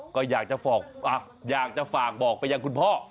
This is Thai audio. ก็อยากจะฝากบอกไปยังคุณพ่อ